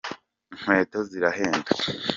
inkweto zirahenda.